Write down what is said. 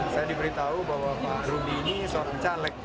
saya diberitahu bahwa pak rubi ini seorang caleg